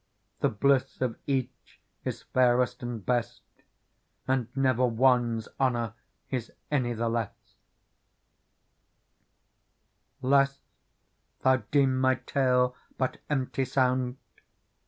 The bliss of each is fairest and best. And never one's honour is any the less. " Lest thou deem my tale but empty sound.